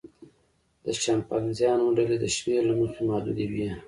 د شامپانزیانو ډلې د شمېر له مخې محدودې وي.